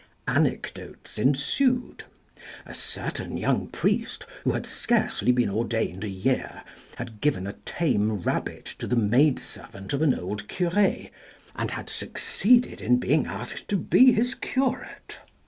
Anecdotes ensued. A certain young priest, who had scarcely been ordained a year, had given a tame rabbit to the maidservant of an old cure, and had succeeded in being asked to be his curate.